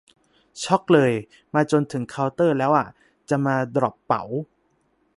ช็อกเลย มาจนถึงเคาน์เตอร์แล้วอะ จะมาดรอปเป๋า